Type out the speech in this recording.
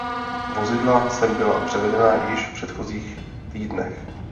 Vozidla sem byla převedena již v předchozích týdnech.